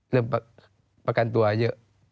เริ่มประกันตัวเยอะ